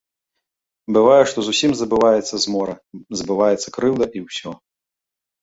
Бывае, што зусім забываецца змора, забываецца крыўда і ўсё.